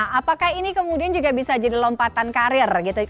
apakah ini kemudian juga bisa jadi lompatan karir gitu